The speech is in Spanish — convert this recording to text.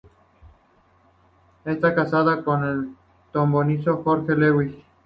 Está casada con el trombonista George Lewis.